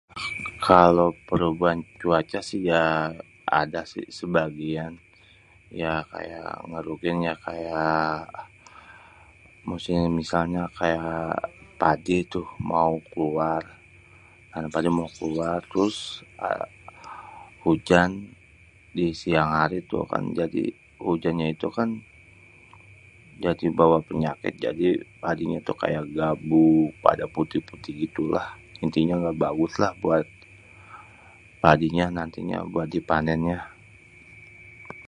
kalo perubahan cuaca sih ya ada sih sebagian.. ya kayak ngèrugiinnya kayak misalnya musim padi tuh mau keluar.. terus ujan di siang hari tuh kan jadi ujannya itu kan jadi bawa penyakit.. jadi padinya tu kaya gabuk pada putih-putih gitu lah.. intinya èngga bagus lah buat padinya nantinya buat dipanénnya..